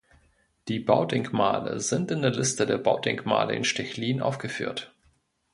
Die Baudenkmale sind in der Liste der Baudenkmale in Stechlin aufgeführt.